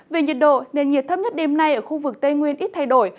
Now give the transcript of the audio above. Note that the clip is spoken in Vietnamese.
về nhiệt độ nền nhiệt thấp nhất đêm nay ở khu vực tây nguyên ít thay đổi